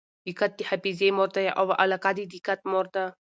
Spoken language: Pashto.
دقت د حافظې مور دئ او علاقه د دقت مور ده.